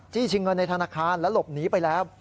ชิงเงินในธนาคารแล้วหลบหนีไปแล้ว